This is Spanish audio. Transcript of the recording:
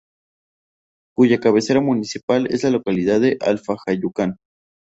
Cuya cabecera municipal es la localidad de Alfajayucan.